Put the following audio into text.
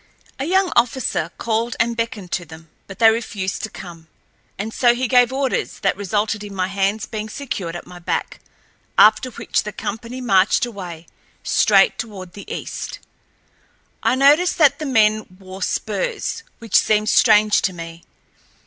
A young officer called and beckoned to them. But they refused to come, and so he gave orders that resulted in my hands being secured at my back, after which the company marched away, straight toward the east. I noticed that the men wore spurs, which seemed strange to me.